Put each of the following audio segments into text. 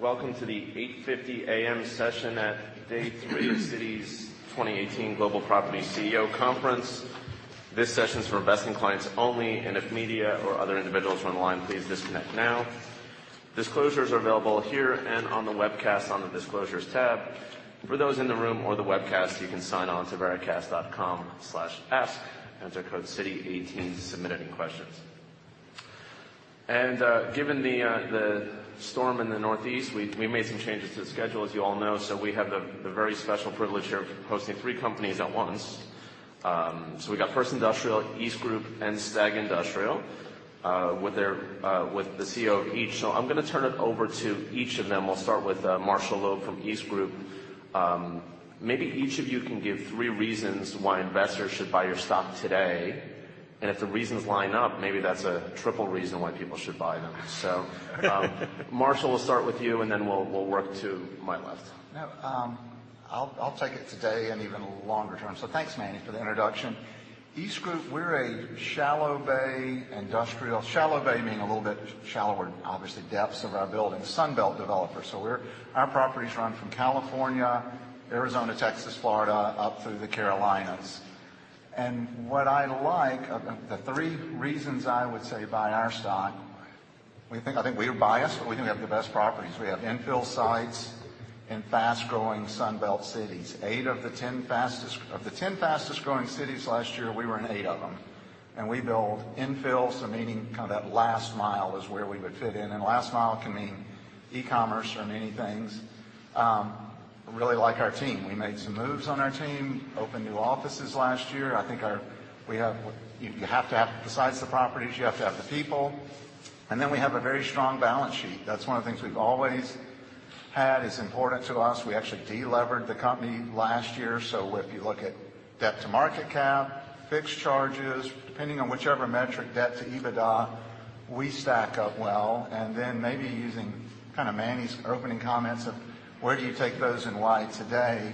Welcome to the 8:50 A.M. session at day three of Citi 2018 Global Property CEO Conference. This session's for investing clients only, if media or other individuals are online, please disconnect now. Disclosures are available here and on the webcast on the Disclosures tab. For those in the room or the webcast, you can sign on to veracast.com/ask, enter code CITI18 to submit any questions. Given the storm in the Northeast, we made some changes to the schedule, as you all know. We have the very special privilege here of hosting 3 companies at once. I'm going to turn it over to each of them. We'll start with Marshall Loeb from EastGroup. Maybe each of you can give 3 reasons why investors should buy your stock today. If the reasons line up, maybe that's a triple reason why people should buy them. Marshall, we'll start with you, and then we'll work to my left. I'll take it today and even longer term. Thanks, Manny, for the introduction. EastGroup, we're a shallow bay industrial, shallow bay meaning a little bit shallower, obviously, depths of our buildings, Sun Belt developer. Our properties run from California, Arizona, Texas, Florida, up through the Carolinas. What I like, the 3 reasons I would say buy our stock, I think we are biased, but we think we have the best properties. We have infill sites in fast-growing Sun Belt cities. Of the 10 fastest-growing cities last year, we were in 8 of them. We build infill, meaning kind of that last mile is where we would fit in. Last mile can mean e-commerce or many things. Really like our team. We made some moves on our team, opened new offices last year. Besides the properties, you have to have the people. We have a very strong balance sheet. That's one of the things we've always had. It's important to us. We actually de-levered the company last year. If you look at debt to market cap, fixed charges, depending on whichever metric, debt to EBITDA, we stack up well. Maybe using kind of Manny's opening comments of where do you take those and why today,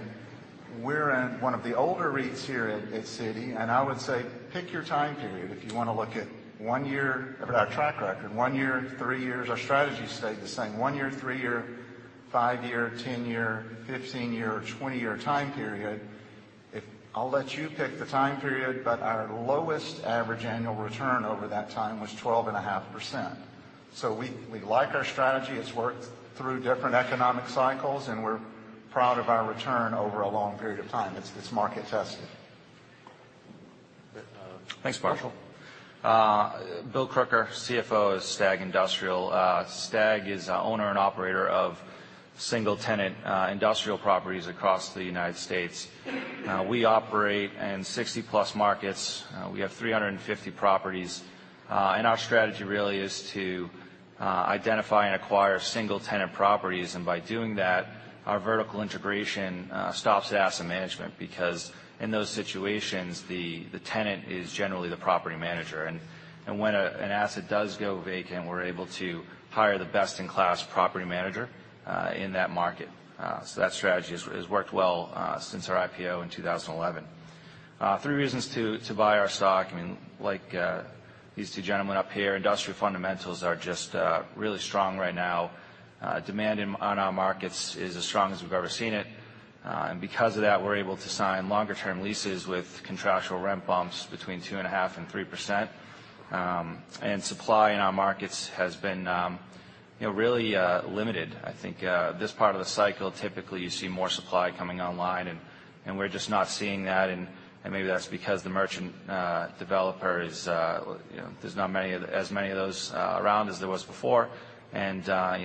we're in one of the older REITs here at Citi, and I would say pick your time period. If you want to look at our track record, 1 year, 3 year, 5 year, 10 year, 15 year, or 20 year time period. I'll let you pick the time period, but our lowest average annual return over that time was 12.5%. We like our strategy. It's worked through different economic cycles, and we're proud of our return over a long period of time. It's market-tested. Good. Thanks, Marshall. Bill Crooker, CFO of STAG Industrial. STAG is owner and operator of single-tenant industrial properties across the U.S. We operate in 60+ markets. We have 350 properties. Our strategy really is to identify and acquire single-tenant properties, and by doing that, our vertical integration stops at asset management because in those situations, the tenant is generally the property manager. When an asset does go vacant, we're able to hire the best-in-class property manager in that market. That strategy has worked well since our IPO in 2011. Three reasons to buy our stock, like these two gentlemen up here, industrial fundamentals are just really strong right now. Demand on our markets is as strong as we've ever seen it. Because of that, we're able to sign longer-term leases with contractual rent bumps between 2.5% and 3%. Supply in our markets has been really limited. I think, this part of the cycle, typically, you see more supply coming online, and we're just not seeing that, and maybe that's because the merchant developer, there's not as many of those around as there was before, and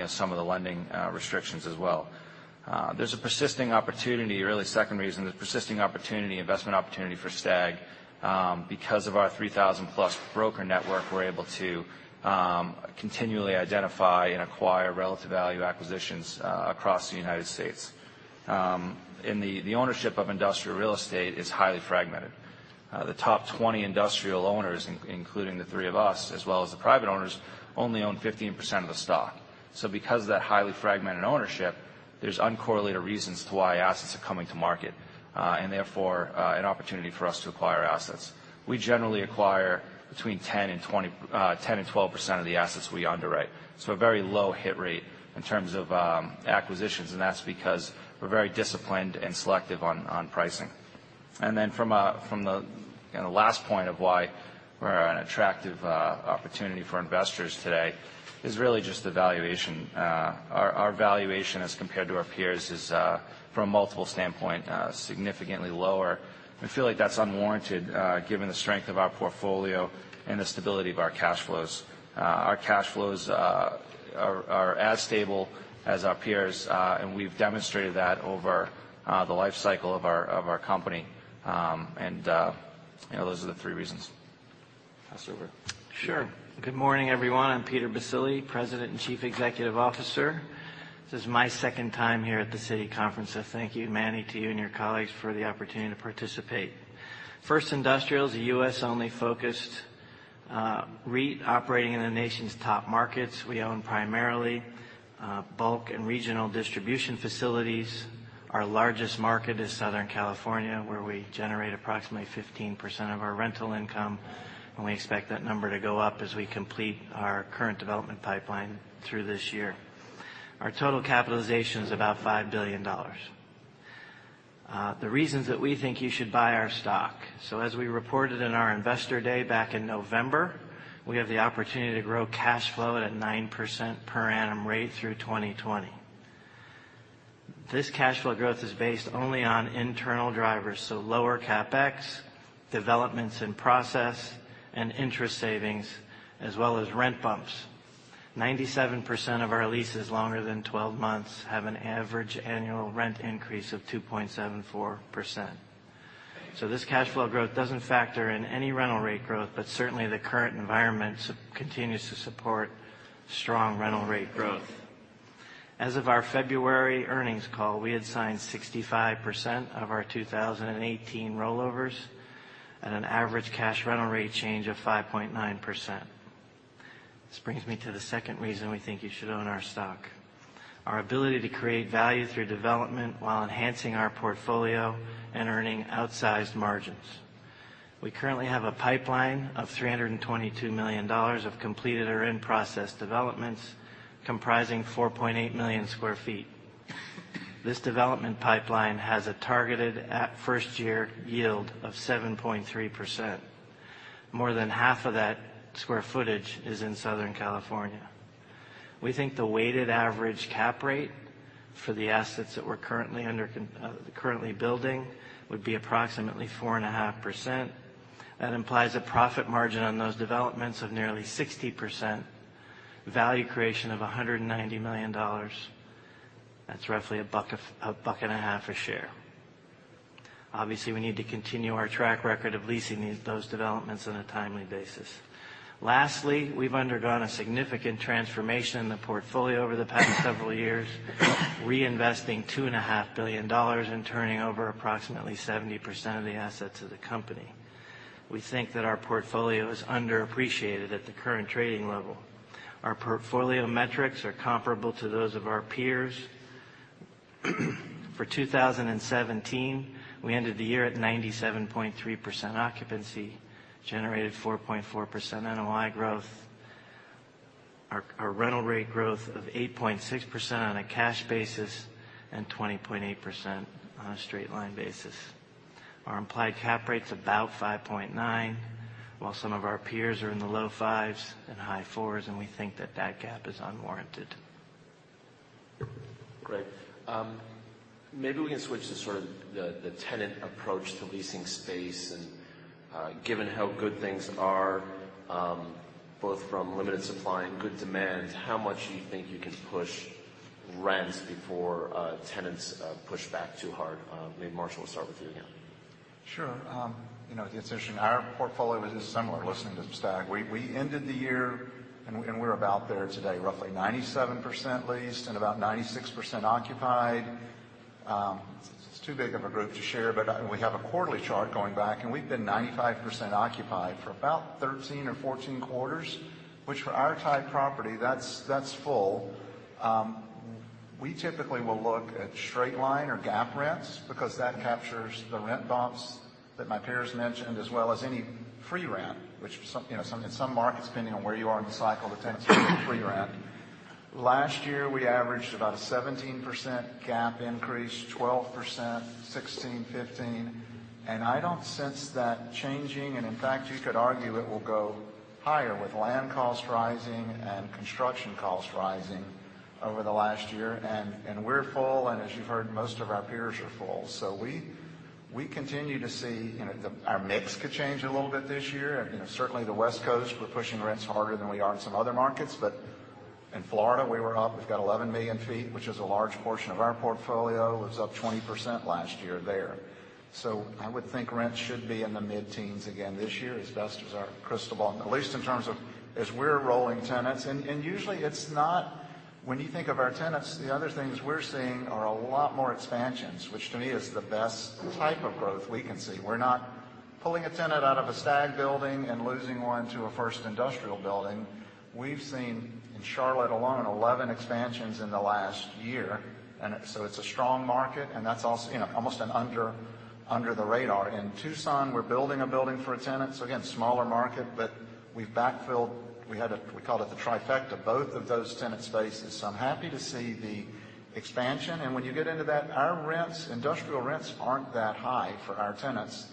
some of the lending restrictions as well. There's a persisting opportunity, really second reason, there's persisting opportunity, investment opportunity for STAG. Because of our 3,000+ broker network, we're able to continually identify and acquire relative value acquisitions across the U.S. The ownership of industrial real estate is highly fragmented. The top 20 industrial owners, including the three of us, as well as the private owners, only own 15% of the stock. Because of that highly fragmented ownership, there's uncorrelated reasons to why assets are coming to market, and therefore, an opportunity for us to acquire assets. We generally acquire between 10% and 12% of the assets we underwrite. A very low hit rate in terms of acquisitions, and that's because we're very disciplined and selective on pricing. From the last point of why we're an attractive opportunity for investors today is really just the valuation. Our valuation as compared to our peers is, from a multiple standpoint, significantly lower. I feel like that's unwarranted, given the strength of our portfolio and the stability of our cash flows. Our cash flows are as stable as our peers', and we've demonstrated that over the life cycle of our company. Those are the three reasons. Pass it over. Sure. Good morning, everyone. I'm Peter Baccile, President and Chief Executive Officer. This is my second time here at the Citi conference, thank you, Manny, to you and your colleagues for the opportunity to participate. First Industrial's a U.S.-only focused REIT operating in the nation's top markets. We own primarily bulk and regional distribution facilities. Our largest market is Southern California, where we generate approximately 15% of our rental income, and we expect that number to go up as we complete our current development pipeline through this year. Our total capitalization is about $5 billion. The reasons that we think you should buy our stock. As we reported in our investor day back in November, we have the opportunity to grow cash flow at a 9% per annum rate through 2020. This cash flow growth is based only on internal drivers, so lower CapEx, developments in process, and interest savings, as well as rent bumps. 97% of our leases longer than 12 months have an average annual rent increase of 2.74%. This cash flow growth doesn't factor in any rental rate growth, but certainly, the current environment continues to support strong rental rate growth. As of our February earnings call, we had signed 65% of our 2018 rollovers at an average cash rental rate change of 5.9%. This brings me to the second reason we think you should own our stock. Our ability to create value through development while enhancing our portfolio and earning outsized margins. We currently have a pipeline of $322 million of completed or in-process developments comprising 4.8 million sq ft. This development pipeline has a targeted first-year yield of 7.3%. More than half of that sq ft is in Southern California. We think the weighted average cap rate for the assets that we're currently building would be approximately 4.5%. That implies a profit margin on those developments of nearly 60%, value creation of $190 million. That's roughly a buck and a half a share. Obviously, we need to continue our track record of leasing those developments on a timely basis. Lastly, we've undergone a significant transformation in the portfolio over the past several years, reinvesting $2.5 billion and turning over approximately 70% of the assets of the company. We think that our portfolio is underappreciated at the current trading level. Our portfolio metrics are comparable to those of our peers. For 2017, we ended the year at 97.3% occupancy, generated 4.4% NOI growth. Our rental rate growth of 8.6% on a cash basis and 20.8% on a straight line basis. Our implied cap rate's about 5.9%, while some of our peers are in the low fives and high fours. We think that that gap is unwarranted. Great. Maybe we can switch to sort of the tenant approach to leasing space. Given how good things are, both from limited supply and good demand, how much do you think you can push rents before tenants push back too hard? Maybe Marshall, we'll start with you again. Sure. Our portfolio is similar, listening to STAG. We ended the year, and we're about there today, roughly 97% leased and about 96% occupied. It's too big of a group to share, but we have a quarterly chart going back. We've been 95% occupied for about 13 or 14 quarters, which for our type property, that's full. We typically will look at straight line or GAAP rents because that captures the rent bumps that my peers mentioned, as well as any free rent, which in some markets, depending on where you are in the cycle, the tenants get a free rent. Last year, we averaged about a 17% GAAP increase, 12%, 16%, 15%. I don't sense that changing. In fact, you could argue it will go higher with land costs rising and construction costs rising over the last year. We're full. As you've heard, most of our peers are full. We continue to see. Our mix could change a little bit this year. Certainly, the West Coast, we're pushing rents harder than we are in some other markets. In Florida, we were up. We've got 11 million sq ft, which is a large portion of our portfolio. It was up 20% last year there. I would think rents should be in the mid-teens again this year, as best as our crystal ball, at least in terms of as we're rolling tenants. Usually it's not. When you think of our tenants, the other things we're seeing are a lot more expansions, which to me is the best type of growth we can see. We're not pulling a tenant out of a STAG building and losing one to a First Industrial building. We've seen, in Charlotte alone, 11 expansions in the last year. It's a strong market, and that's almost an under the radar. In Tucson, we're building a building for a tenant. Again, smaller market, but we've backfilled. We called it the trifecta, both of those tenant spaces. I'm happy to see the expansion. When you get into that, our rents, industrial rents, aren't that high for our tenants.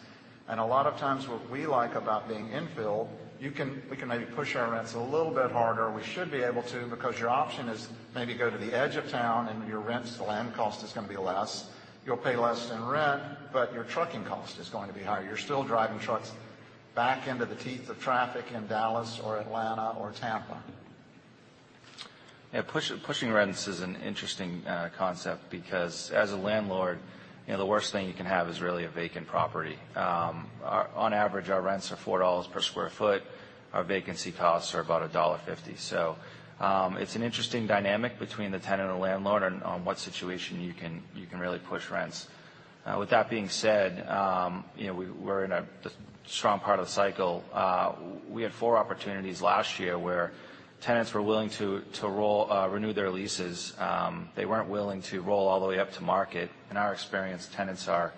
A lot of times what we like about being infill, we can maybe push our rents a little bit harder. We should be able to because your option is maybe go to the edge of town and your rents, the land cost is going to be less. You'll pay less in rent, your trucking cost is going to be higher. You're still driving trucks back into the teeth of traffic in Dallas or Atlanta or Tampa. Yeah. Pushing rents is an interesting concept because as a landlord, the worst thing you can have is really a vacant property. On average, our rents are $4 per sq ft. Our vacancy costs are about $1.50. It's an interesting dynamic between the tenant and landlord on what situation you can really push rents. With that being said, we're in a strong part of the cycle. We had four opportunities last year where tenants were willing to renew their leases. They weren't willing to roll all the way up to market. In our experience, tenants are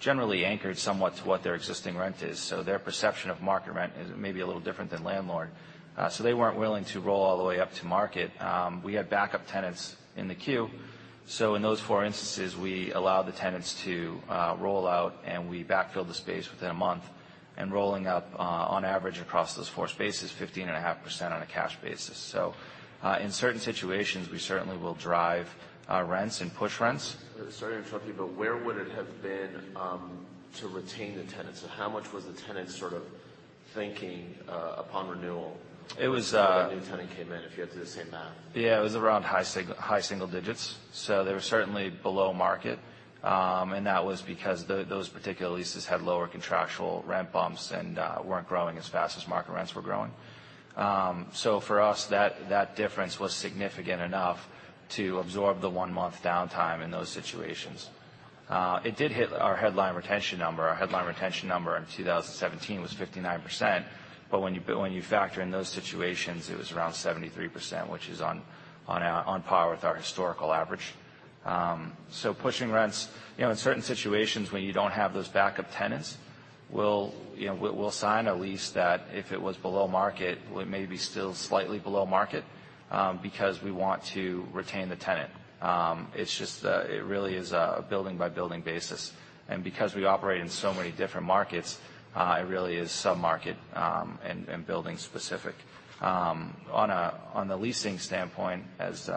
Generally anchored somewhat to what their existing rent is. Their perception of market rent is maybe a little different than landlord. They weren't willing to roll all the way up to market. We had backup tenants in the queue. In those four instances, we allowed the tenants to roll out, and we backfilled the space within a month, and rolling up, on average, across those four spaces, 15.5% on a cash basis. In certain situations, we certainly will drive our rents and push rents. Sorry to interrupt you, where would it have been, to retain the tenants? How much was the tenant sort of thinking, upon renewal- It was- Before the new tenant came in, if you had to do the same math. Yeah, it was around high single digits. They were certainly below market. That was because those particular leases had lower contractual rent bumps and weren't growing as fast as market rents were growing. For us, that difference was significant enough to absorb the one-month downtime in those situations. It did hit our headline retention number. Our headline retention number in 2017 was 59%, but when you factor in those situations, it was around 73%, which is on par with our historical average. Pushing rents. In certain situations when you don't have those backup tenants, we'll sign a lease that if it was below market, may be still slightly below market, because we want to retain the tenant. It really is a building-by-building basis, and because we operate in so many different markets, it really is sub-market, and building specific. On the leasing standpoint, as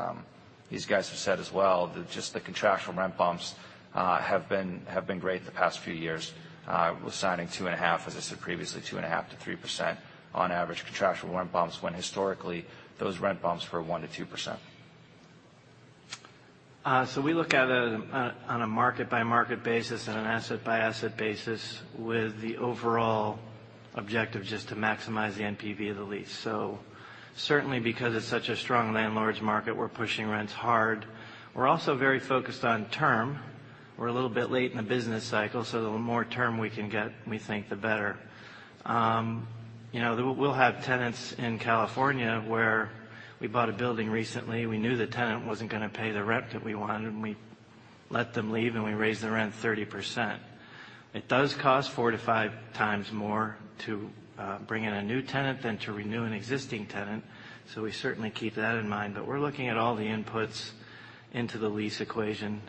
these guys have said as well, just the contractual rent bumps have been great the past few years. We're signing 2.5, as I said previously, 2.5%-3% on average contractual rent bumps, when historically, those rent bumps were 1%-2%. We look at it on a market-by-market basis and an asset-by-asset basis with the overall objective just to maximize the NPV of the lease. Certainly, because it's such a strong landlord's market, we're pushing rents hard. We're also very focused on term. We're a little bit late in the business cycle, the more term we can get, we think the better. We'll have tenants in California where we bought a building recently. We knew the tenant wasn't going to pay the rent that we wanted, and we let them leave, and we raised the rent 30%. It does cost 4-5 times more to bring in a new tenant than to renew an existing tenant, we certainly keep that in mind. We're looking at all the inputs into the lease equation,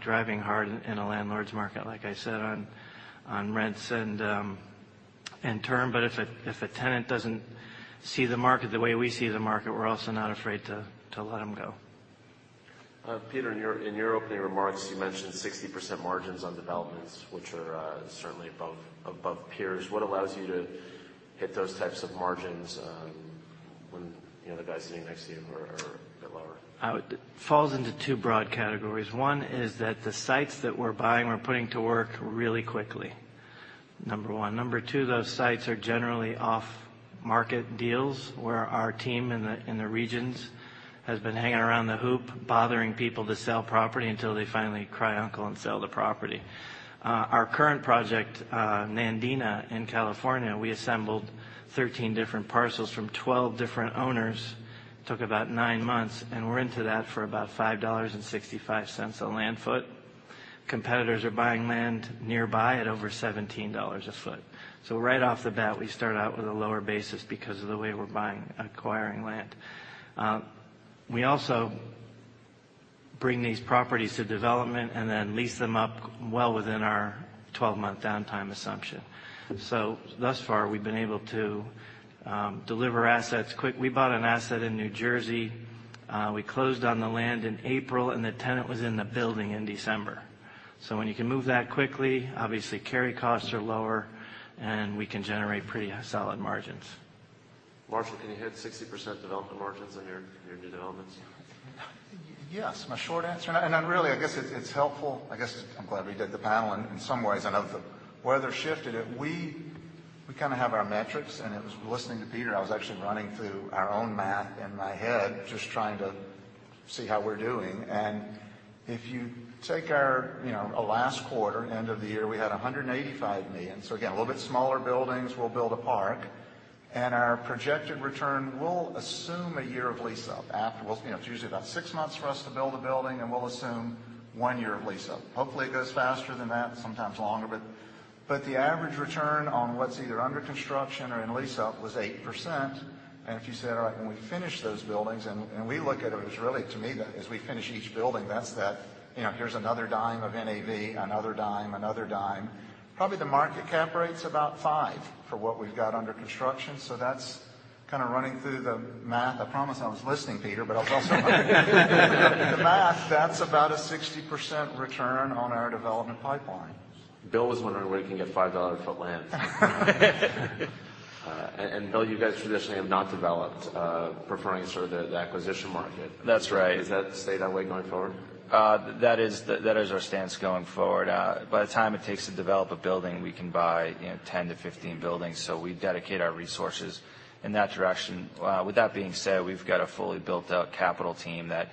driving hard in a landlord's market, like I said, on rents and term. If a tenant doesn't see the market the way we see the market, we're also not afraid to let them go. Peter, in your opening remarks, you mentioned 60% margins on developments, which are certainly above peers. What allows you to hit those types of margins, when the guys sitting next to you are a bit lower? It falls into two broad categories. One is that the sites that we're buying, we're putting to work really quickly, number one. Number two, those sites are generally off-market deals, where our team in the regions has been hanging around the hoop, bothering people to sell property until they finally cry uncle and sell the property. Our current project, Nandina in California, we assembled 13 different parcels from 12 different owners. Took about nine months, and we're into that for about $5.65 a land foot. Competitors are buying land nearby at over $17 a foot. Right off the bat, we start out with a lower basis because of the way we're acquiring land. We also bring these properties to development and then lease them up well within our 12-month downtime assumption. Thus far, we've been able to deliver assets quick. We bought an asset in New Jersey. We closed on the land in April, the tenant was in the building in December. When you can move that quickly, obviously carry costs are lower, and we can generate pretty solid margins. Marshall, can you hit 60% development margins on your new developments? Yes, my short answer, really, I guess it's helpful. I guess I'm glad we did the panel in some ways. I know the weather shifted. We kind of have our metrics, and it was listening to Peter, I was actually running through our own math in my head, just trying to see how we're doing. If you take our last quarter, end of the year, we had $185 million. Again, a little bit smaller buildings, we'll build a park. Our projected return, we'll assume a year of lease-up afterwards. It's usually about six months for us to build a building, and we'll assume one year of lease-up. Hopefully, it goes faster than that, sometimes longer. The average return on what's either under construction or in lease-up was 8%. If you said, all right, when we finish those buildings, and we look at it as really, to me, as we finish each building, here's another $0.10 of NAV, another $0.10, another $0.10. Probably the market cap rate's about 5% for what we've got under construction. That's kind of running through the math. I promise I was listening, Peter Baccile, but I was also running the math. That's about a 60% return on our development pipeline. Bill Crooker was wondering where you can get $5 a foot land. Bill Crooker, you guys traditionally have not developed, preferring sort of the acquisition market. That's right. Does that stay that way going forward? That is our stance going forward. By the time it takes to develop a building, we can buy 10 to 15 buildings, so we dedicate our resources in that direction. With that being said, we've got a fully built-out capital team that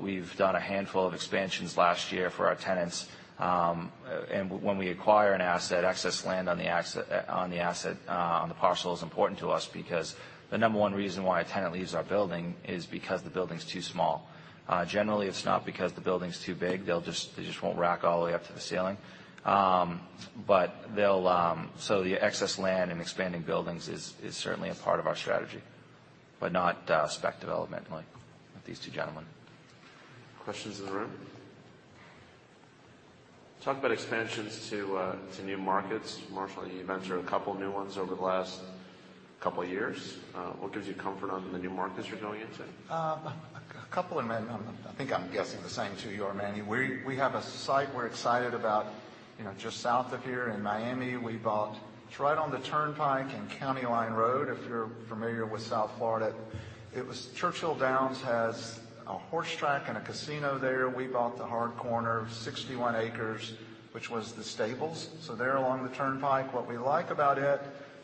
we've done a handful of expansions last year for our tenants. When we acquire an asset, excess land on the parcel is important to us because the number one reason why a tenant leaves our building is because the building's too small. Generally, it's not because the building's too big. They just won't rack all the way up to the ceiling. The excess land and expanding buildings is certainly a part of our strategy, but not spec development like these two gentlemen. Questions in the room? Talk about expansions to new markets. Marshall, you mentioned a couple new ones over the last couple of years. What gives you comfort on the new markets you're going into? A couple of them. I think I'm guessing the same two you are, Manny. We have a site we're excited about just south of here in Miami. We bought, it's right on the Turnpike in County Line Road, if you're familiar with South Florida. Churchill Downs has a horse track and a casino there. We bought the hard corner, 61 acres, which was the stables. There along the Turnpike. What we like about it,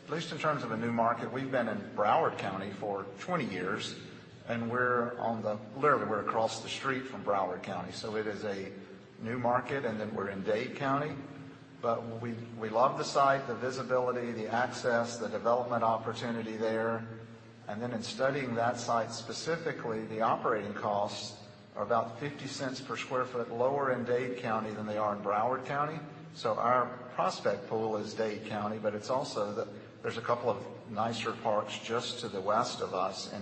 at least in terms of a new market, we've been in Broward County for 20 years. Literally, we're across the street from Broward County. It is a new market, then we're in Dade County. We love the site, the visibility, the access, the development opportunity there. In studying that site, specifically, the operating costs are about $0.50 per square foot lower in Dade County than they are in Broward County. Our prospect pool is Dade County, it's also that there's a couple of nicer parks just to the west of us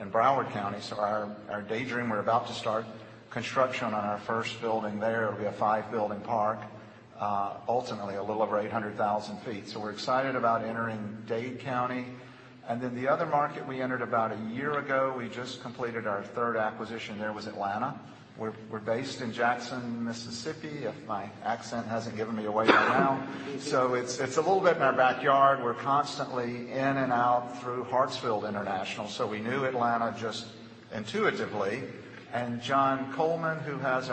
in Broward County. Our daydream, we're about to start construction on our first building there. It'll be a five-building park, ultimately a little over 800,000 sq ft. We're excited about entering Dade County. The other market we entered about a year ago, we just completed our third acquisition there, was Atlanta. We're based in Jackson, Mississippi, if my accent hasn't given me away by now. It's a little bit in our backyard. We're constantly in and out through Hartsfield International, we knew Atlanta just intuitively. John Coleman, who heads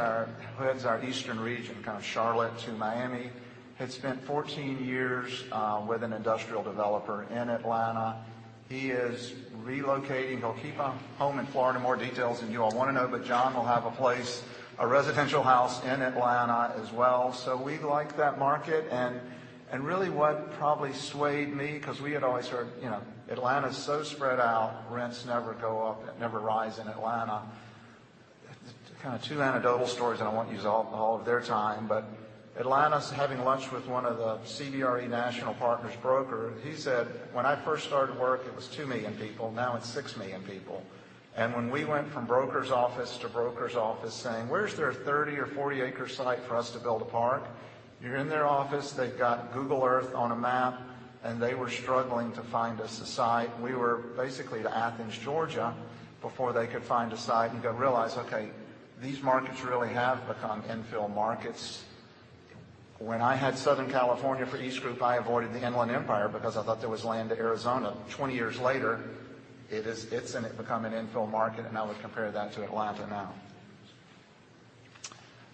our eastern region, kind of Charlotte to Miami, had spent 14 years with an industrial developer in Atlanta. He is relocating. He'll keep a home in Florida. More details than you all want to know, but John will have a place, a residential house in Atlanta as well. We like that market, and really what probably swayed me, because we had always heard, Atlanta's so spread out, rents never go up, never rise in Atlanta. Kind of two anecdotal stories, and I won't use all of their time, but Atlanta, I was having lunch with one of the CBRE national partners broker. He said, "When I first started work, it was two million people. Now it's six million people." When we went from broker's office to broker's office saying, "Where's there a 30 or 40-acre site for us to build a park?" You're in their office, they've got Google Earth on a map, and they were struggling to find us a site. We were basically to Athens, Georgia, before they could find a site, and you go realize, okay, these markets really have become infill markets. When I had Southern California for EastGroup, I avoided the Inland Empire because I thought there was land to Arizona. 20 years later, it's become an infill market, and I would compare that to Atlanta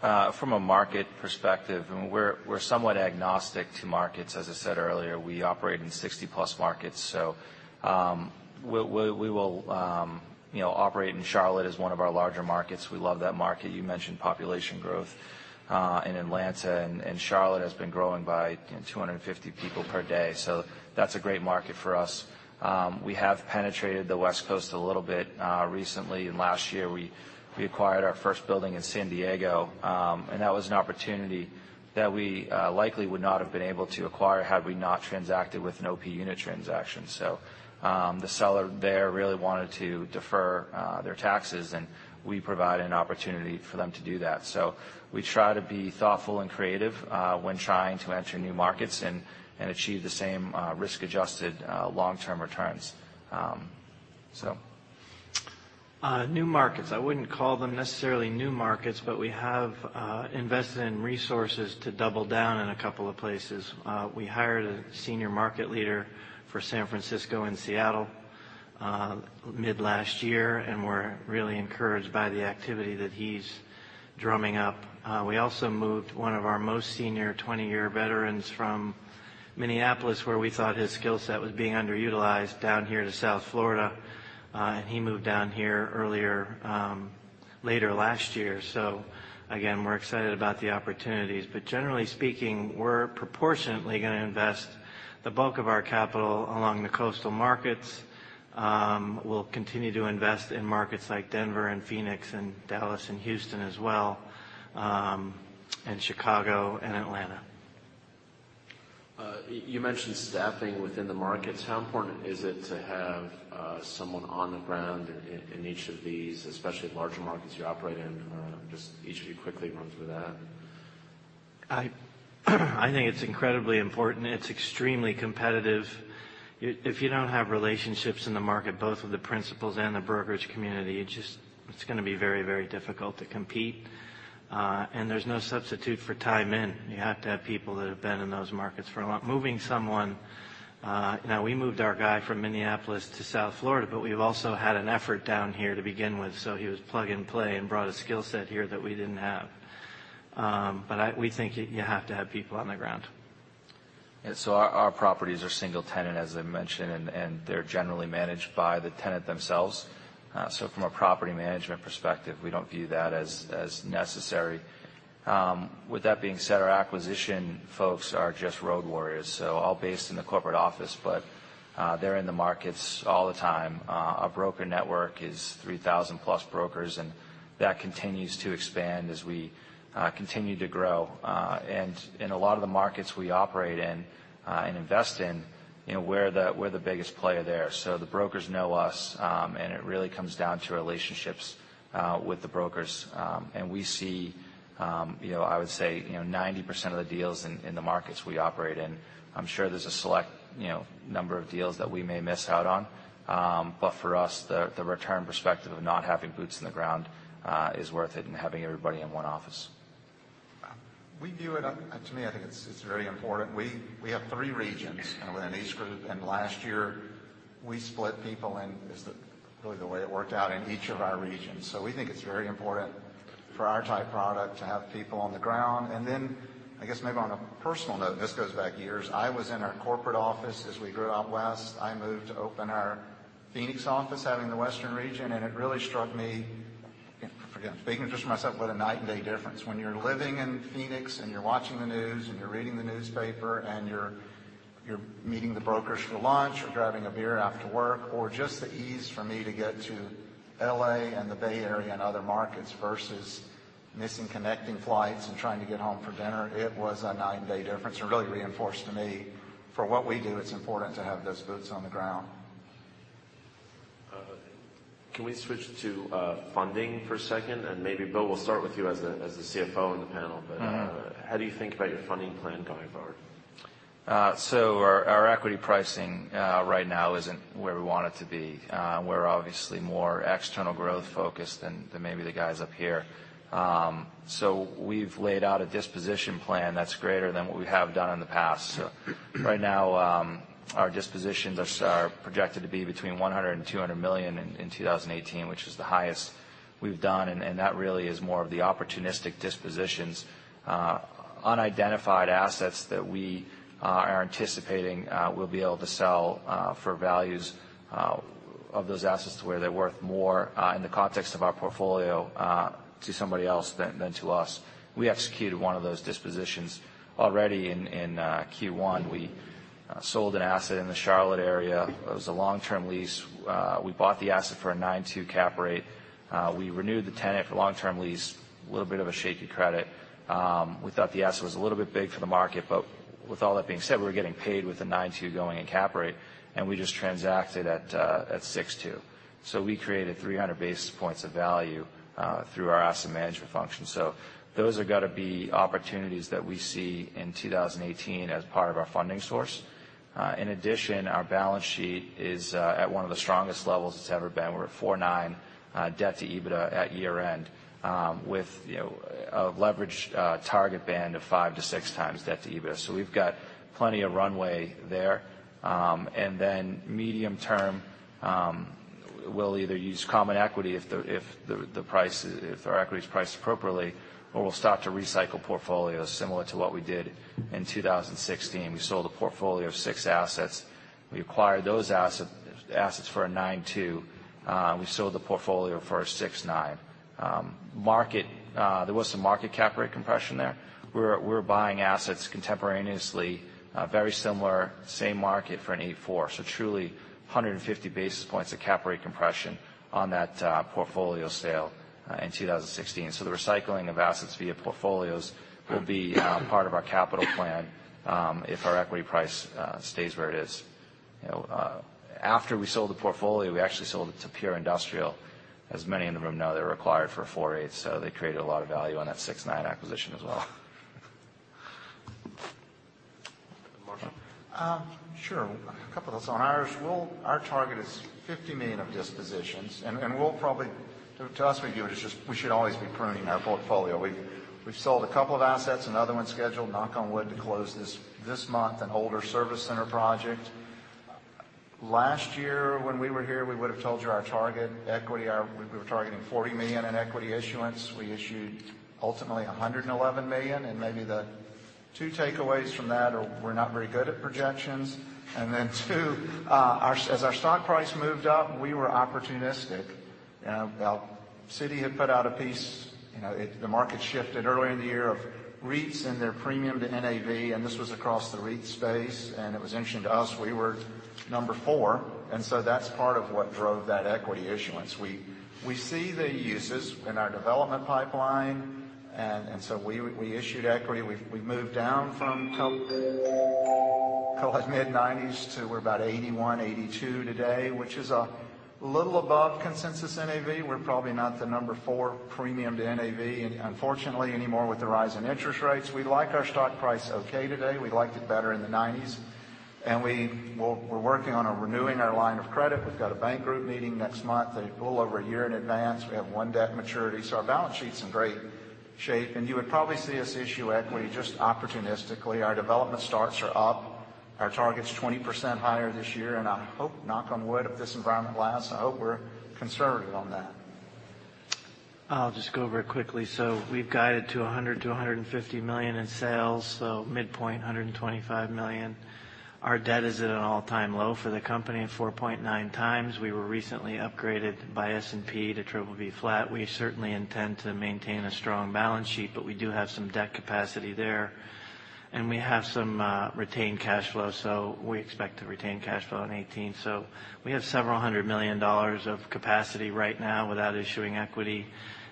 now. From a market perspective, we're somewhat agnostic to markets. As I said earlier, we operate in 60-plus markets. We will operate in Charlotte as one of our larger markets. We love that market. You mentioned population growth in Atlanta, and Charlotte has been growing by 250 people per day. That's a great market for us. We have penetrated the West Coast a little bit recently. Last year, we acquired our first building in San Diego, and that was an opportunity that we likely would not have been able to acquire had we not transacted with an OP unit transaction. The seller there really wanted to defer their taxes, and we provide an opportunity for them to do that. We try to be thoughtful and creative when trying to enter new markets and achieve the same risk-adjusted long-term returns. New markets. I wouldn't call them necessarily new markets, we have invested in resources to double down in a couple of places. We hired a senior market leader for San Francisco and Seattle mid last year, and we're really encouraged by the activity that he's drumming up. We also moved one of our most senior 20-year veterans from Minneapolis, where we thought his skill set was being underutilized, down here to South Florida. He moved down here later last year. Again, we're excited about the opportunities. Generally speaking, we're proportionately going to invest the bulk of our capital along the coastal markets. We'll continue to invest in markets like Denver and Phoenix and Dallas and Houston as well, and Chicago and Atlanta. You mentioned staffing within the markets. How important is it to have someone on the ground in each of these, especially larger markets you operate in? Just each of you quickly run through that. I think it's incredibly important. It's extremely competitive. If you don't have relationships in the market, both with the principals and the brokerage community, it's going to be very difficult to compete. There's no substitute for time in. You have to have people that have been in those markets for a long Moving someone, now, we moved our guy from Minneapolis to South Florida, but we've also had an effort down here to begin with. He was plug and play and brought a skill set here that we didn't have. We think you have to have people on the ground. Our properties are single tenant, as I mentioned, and they're generally managed by the tenant themselves. From a property management perspective, we don't view that as necessary. With that being said, our acquisition folks are just road warriors. All based in the corporate office, but they're in the markets all the time. Our broker network is 3,000-plus brokers, and that continues to expand as we continue to grow. In a lot of the markets we operate in and invest in, we're the biggest player there. The brokers know us, and it really comes down to relationships with the brokers. We see, I would say, 90% of the deals in the markets we operate in. I'm sure there's a select number of deals that we may miss out on. For us, the return perspective of not having boots on the ground is worth it and having everybody in one office. We view it, to me, I think it's very important. We have three regions within EastGroup, and last year we split people in, is the really the way it worked out, in each of our regions. We think it's very important for our type product to have people on the ground. I guess maybe on a personal note, this goes back years, I was in our corporate office as we grew out west. I moved to open our Phoenix office, having the Western Region, and it really struck me, again, speaking just for myself, what a night and day difference. When you're living in Phoenix and you're watching the news and you're reading the newspaper and you're meeting the brokers for lunch or grabbing a beer after work or just the ease for me to get to L.A. and the Bay Area and other markets versus missing connecting flights and trying to get home for dinner. It was a night and day difference and really reinforced to me, for what we do, it's important to have those boots on the ground. Can we switch to funding for a second? Maybe, Bill, we'll start with you as the CFO on the panel. How do you think about your funding plan going forward? Our equity pricing right now isn't where we want it to be. We're obviously more external growth focused than maybe the guys up here. We've laid out a disposition plan that's greater than what we have done in the past. Right now, our dispositions are projected to be between $100 million and $200 million in 2018, which is the highest we've done, and that really is more of the opportunistic dispositions. Unidentified assets that we are anticipating we'll be able to sell for values of those assets to where they're worth more, in the context of our portfolio, to somebody else than to us. We executed one of those dispositions already in Q1. We sold an asset in the Charlotte area. It was a long-term lease. We bought the asset for a 9.2 cap rate. We renewed the tenant for long-term lease. A little bit of a shaky credit. We thought the asset was a little bit big for the market, but with all that being said, we were getting paid with a 9.2 going in cap rate, and we just transacted at 6.2. We created 300 basis points of value through our asset management function. Those are going to be opportunities that we see in 2018 as part of our funding source. In addition, our balance sheet is at one of the strongest levels it's ever been. We're at 4.9 debt to EBITDA at year-end, with a leverage target band of five to six times debt to EBITDA. We've got plenty of runway there. Medium term, we'll either use common equity if our equity is priced appropriately, or we'll start to recycle portfolios similar to what we did in 2016. We sold a portfolio of six assets. We acquired those assets for a 9.2. We sold the portfolio for a 6.9. There was some market cap rate compression there. We were buying assets contemporaneously, very similar, same market for an 8.4. Truly 150 basis points of cap rate compression on that portfolio sale in 2016. The recycling of assets via portfolios will be part of our capital plan if our equity price stays where it is. After we sold the portfolio, we actually sold it to Pure Industrial. As many in the room know, they were acquired for a 4.8, so they created a lot of value on that 6.9 acquisition as well. Marshall? Sure. A couple of those on ours. Our target is $50 million of dispositions. To us, we view it as just we should always be pruning our portfolio. We've sold a couple of assets. Another one's scheduled, knock on wood, to close this month, an older service center project. Last year when we were here, we would've told you our target equity, we were targeting $40 million in equity issuance. We issued ultimately $111 million. Maybe the two takeaways from that are we're not very good at projections. Two, as our stock price moved up, we were opportunistic. Citi had put out a piece, the market shifted early in the year of REITs and their premium to NAV, and this was across the REIT space, and it was interesting to us. We were number four, that's part of what drove that equity issuance. We see the uses in our development pipeline, we issued equity. We've moved down from call it mid-90s to we're about 81, 82 today, which is a little above consensus NAV. We're probably not the number four premium to NAV unfortunately anymore with the rise in interest rates. We like our stock price okay today. We liked it better in the 90s. We're working on a renewing our line of credit. We've got a bank group meeting next month. They pull over a year in advance. We have one debt maturity, so our balance sheet's in great shape. You would probably see us issue equity just opportunistically. Our development starts are up. Our target's 20% higher this year, I hope, knock on wood, if this environment lasts, I hope we're conservative on that. I'll just go very quickly. We've guided to $100 million-$150 million in sales, midpoint $125 million. Our debt is at an all-time low for the company at 4.9 times. We were recently upgraded by S&P to BBB flat. We certainly intend to maintain a strong balance sheet, we do have some debt capacity there, we have some retained cash flow, we expect to retain cash flow in 2018. We have several hundred million dollars of capacity right now without issuing equity.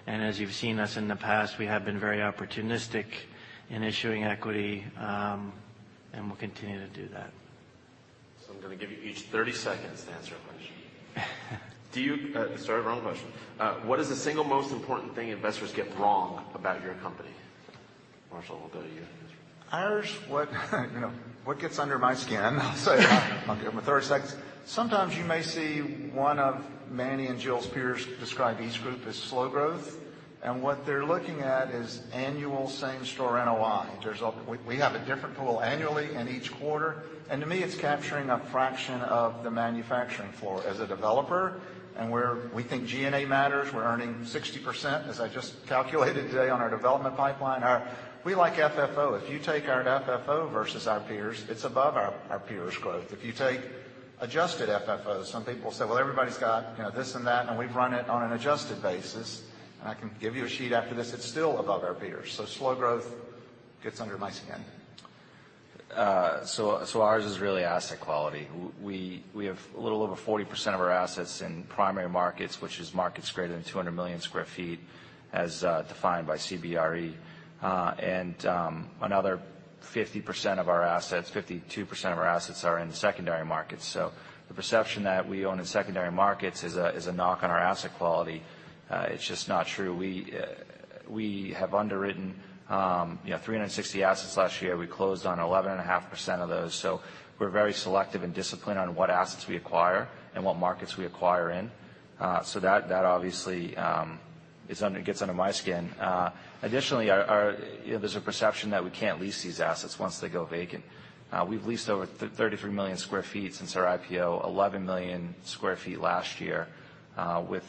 As you've seen us in the past, we have been very opportunistic in issuing equity, we'll continue to do that. I'm going to give you each 30 seconds to answer a question. Sorry, wrong question. What is the single most important thing investors get wrong about your company? Marshall, we'll go to you. What gets under my skin, I'll say. I'll give them 30 seconds. Sometimes you may see one of Manny and Jill Spear's describe EastGroup as slow growth, and what they're looking at is annual same-store NOI. We have a different pool annually and each quarter. To me, it's capturing a fraction of the manufacturing floor as a developer, and we think G&A matters. We're earning 60%, as I just calculated today, on our development pipeline. We like FFO. If you take our FFO versus our peers, it's above our peers' growth. If you take adjusted FFOs, some people say, "Well, everybody's got this and that," and we've run it on an adjusted basis, and I can give you a sheet after this, it's still above our peers. Slow growth gets under my skin. Ours is really asset quality. We have a little over 40% of our assets in primary markets, which is markets greater than 200 million sq ft as defined by CBRE. Another 50% of our assets, 52% of our assets are in secondary markets. The perception that we own in secondary markets is a knock on our asset quality. It's just not true. We have underwritten 360 assets last year. We closed on 11.5% of those. We're very selective and disciplined on what assets we acquire and what markets we acquire in. That obviously gets under my skin. Additionally, there's a perception that we can't lease these assets once they go vacant. We've leased over 33 million sq ft since our IPO, 11 million sq ft last year, with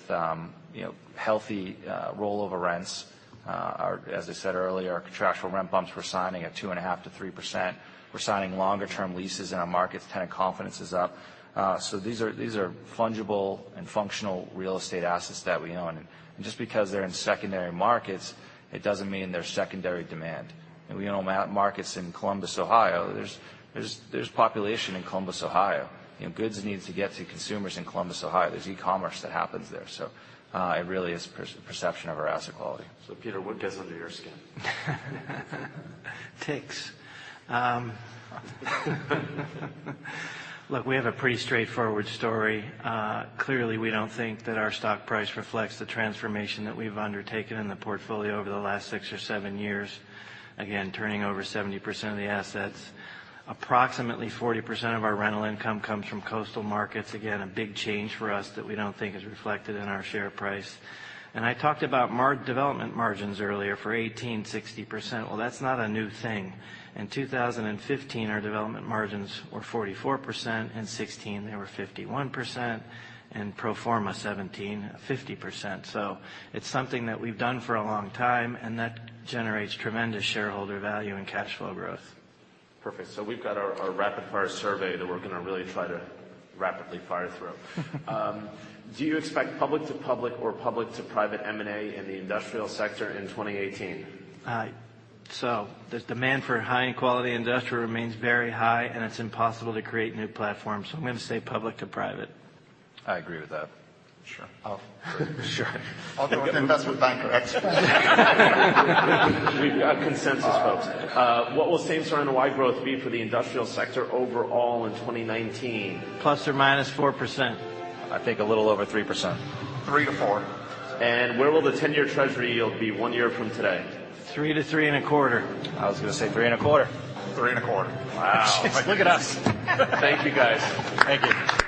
healthy rollover rents. As I said earlier, our contractual rent bumps we're signing at 2.5%-3%. We're signing longer-term leases in our markets, tenant confidence is up. These are fungible and functional real estate assets that we own. Just because they're in secondary markets, it doesn't mean they're secondary demand. We own markets in Columbus, Ohio. There's population in Columbus, Ohio. Goods need to get to consumers in Columbus, Ohio. There's e-commerce that happens there. It really is perception of our asset quality. Peter, what gets under your skin? Ticks. Look, we have a pretty straightforward story. Clearly we don't think that our stock price reflects the transformation that we've undertaken in the portfolio over the last six or seven years. Again, turning over 70% of the assets. Approximately 40% of our rental income comes from coastal markets. Again, a big change for us that we don't think is reflected in our share price. I talked about development margins earlier for 2018, 60%. Well, that's not a new thing. In 2015, our development margins were 44%, in 2016 they were 51%, and pro forma 2017, 50%. It's something that we've done for a long time, and that generates tremendous shareholder value and cash flow growth. Perfect. We've got our rapid-fire survey that we're going to really try to rapidly fire through. Do you expect public to public or public to private M&A in the industrial sector in 2018? The demand for high-end quality industrial remains very high, and it's impossible to create new platforms, so I'm going to say public to private. I agree with that. Sure. I'll- Sure. I'll go with the investment banker. We've got consensus, folks. What will same-store NOI growth be for the industrial sector overall in 2019? ±4%. I think a little over 3%. Three to four. Where will the 10-year Treasury yield be one year from today? Three to three and a quarter. I was going to say three and a quarter. Three and a quarter. Wow. Look at us. Thank you, guys. Thank you.